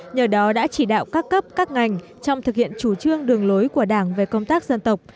nhờ đó đã chỉ đạo các cấp các ngành trong thực hiện chủ trương đường lối của đảng về công tác dân tộc